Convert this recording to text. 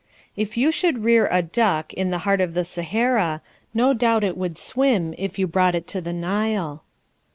If you should rear a duck in the heart of the Sahara, no doubt it would swim if you brought it to the Nile.